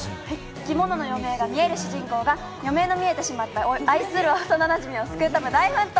生き物の余命が見える主人公が余命の見えてしまった愛する幼なじみを救うため大奮闘。